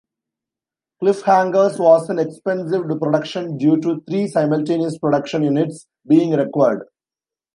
"Cliffhangers" was an expensive production due to three simultaneous production units being required.